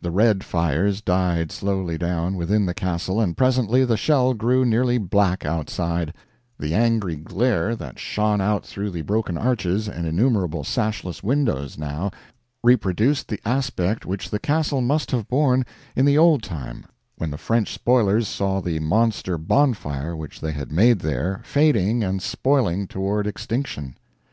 The red fires died slowly down, within the Castle, and presently the shell grew nearly black outside; the angry glare that shone out through the broken arches and innumerable sashless windows, now, reproduced the aspect which the Castle must have borne in the old time when the French spoilers saw the monster bonfire which they had made there fading and spoiling toward extinction.